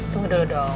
tunggu dulu dong